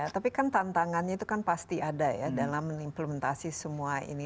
tapi kan tantangannya itu kan pasti ada ya dalam implementasi semua ini